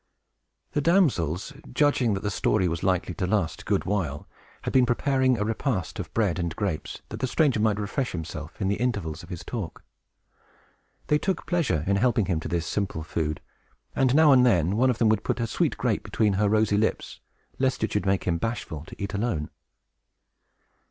The damsels, judging that the story was likely to last a good while, had been preparing a repast of bread and grapes, that the stranger might refresh himself in the intervals of his talk. They took pleasure in helping him to this simple food; and, now and then, one of them would put a sweet grape between her rosy lips, lest it should make him bashful to eat alone.